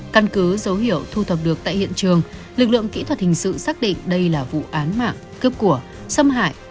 căn cứ dấu hiệu thu thập được tại hiện trường lực lượng kỹ thuật hình sự xác định đây là vụ án mạng cướp của xâm hại